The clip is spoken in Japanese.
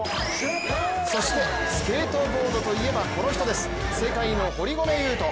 そしてスケートボードといえばこの人です、世界の堀米雄斗。